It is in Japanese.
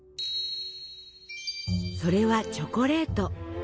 それはチョコレート。